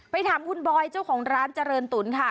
ถามคุณบอยเจ้าของร้านเจริญตุ๋นค่ะ